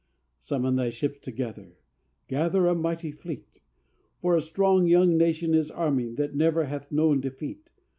IV Summon thy ships together, gather a mighty fleet! For a strong, young Nation is arming, that never hath known defeat.